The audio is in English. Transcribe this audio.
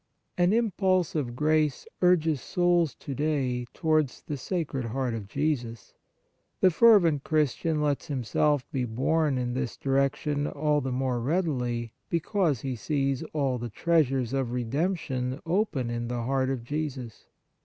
An impulse of grace urges souls to day towards the Sacred Heart of Jesus. The fervent Christian lets himself be borne in this direction all the more readily because he sees all the treasures of Redemption open 63 On the Exercises of Piety in the Heart of Jesus.